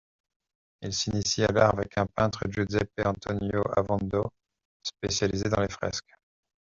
Il s'initie à l'art avec un peintre, Giuseppe Antonio Avondo, spécialisé dans les fresques.